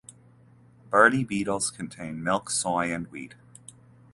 Bertie Beetles contain Milk, Soy and Wheat.